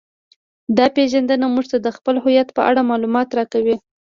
دا پیژندنه موږ ته د خپل هویت په اړه معلومات راکوي